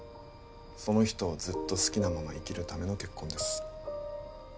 その人をずっと好きなまま生きるための結婚です